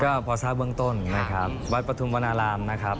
ก็พอทราบเบื้องต้นนะครับวัดปฐุมวนารามนะครับ